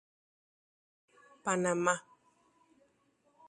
Panama